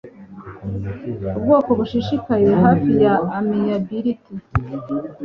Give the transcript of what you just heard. Ubwoko bushishikaye hafi ya amiability